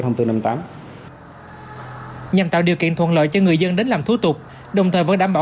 thông tin năm mươi tám nhằm tạo điều kiện thuận lợi cho người dân đến làm thủ tục đồng thời vẫn đảm bảo